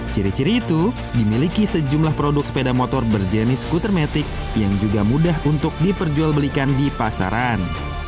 ciri ciri itu dimiliki sejumlah produk sepeda motor berjenis skuter metik yang juga mudah untuk diperjualbelikan di pasaran